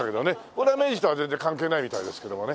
これは明治とは全然関係ないみたいですけどもね。